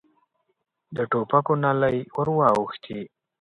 د ټوپکو نلۍ ور واوښتې.